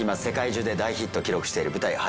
世界中で大ヒットを記録している舞台